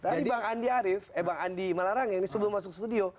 tadi bang andi arief eh bang andi malarang yang ini sebelum masuk studio